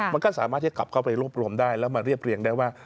มันก็สามารถที่จะกลับเข้าไปรวบรวมได้แล้วมาเรียบเรียงได้ว่า